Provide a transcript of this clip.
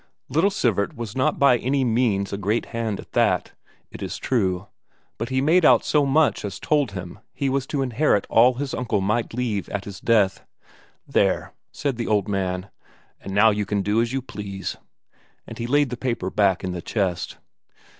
Little Sivert was not by any means a great hand at that, it is true, but he made out so much as told him he was to inherit all that his uncle might leave at his death. "There," said the old man. "And now you can do as you please." And he laid the paper back in the chest.